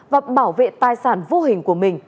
và bảo vệ tài sản vô hình của mình